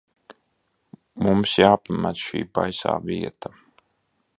Mums jāpamet šī baisā vieta.